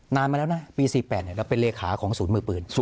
มาแล้วนะปี๔๘เราเป็นเลขาของศูนย์มือปืน